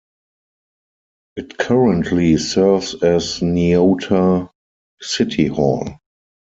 It currently serves as Niota City Hall.